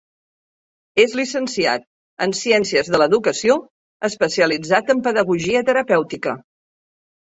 És llicenciat en ciències de l'educació, especialitzat en pedagogia terapèutica.